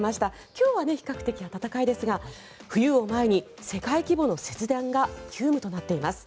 今日は比較的暖かいですが冬を前に世界規模の節電が急務となっています。